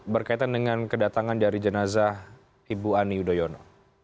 berkaitan dengan kedatangan dari jenazah ibu ani yudhoyono